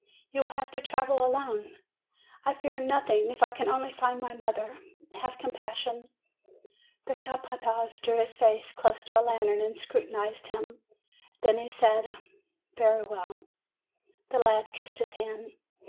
"You will have to travel alone." "I fear nothing, if I can only find my mother. Have compassion!" The capataz drew his face close to a lantern, and scrutinized him. Then he said, 'Very well." The lad kissed his hand.